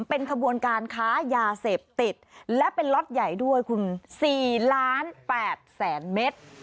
เป็นขบวนการค้ายาเสพติดและเป็นล็อตใหญ่ด้วยคุณ๔๘๐๐๐เมตร